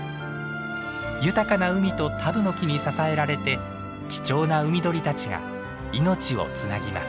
豊かな海とタブノキに支えられて貴重な海鳥たちが命をつなぎます。